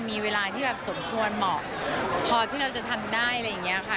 มีเวลาที่แบบสมควรเหมาะพอที่เราจะทำได้อะไรอย่างนี้ค่ะ